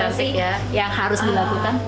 apa sih yang harus dilakukan